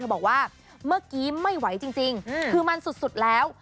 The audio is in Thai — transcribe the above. บอกว่าเมื่อกี้ไม่ไหวจริงคือมันสุดแล้ว